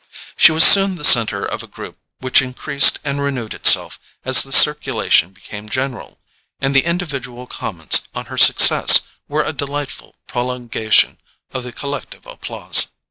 She was soon the centre of a group which increased and renewed itself as the circulation became general, and the individual comments on her success were a delightful prolongation of the collective applause.